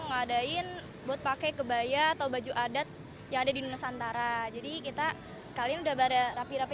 ngadain buat pakai kebaya atau baju adat yang ada di nusantara jadi kita sekalian udah pada rapi rapi